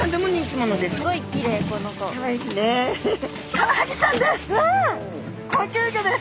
カワハギちゃんです！